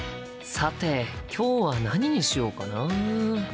さて今日は何にしようかな？